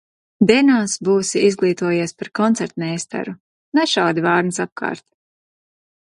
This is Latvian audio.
Dienās būsi izglītojies par koncertmeistaru. Nešaudi vārnas apkārt!